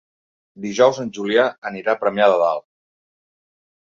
Dijous en Julià anirà a Premià de Dalt.